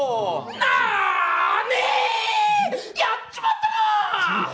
なに、やっちまったな！